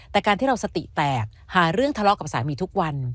แต่การที่เราสติแตกหาเรื่องทะเลาะกับสามีทุกวัน